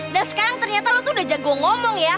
dan sekarang ternyata lo tuh udah jago ngomong ya